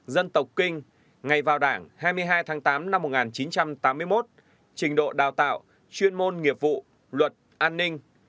dân tộc kinh ngày vào đảng hai mươi hai tháng tám năm một nghìn chín trăm tám mươi một trình độ đào tạo chuyên môn nghiệp vụ luật an ninh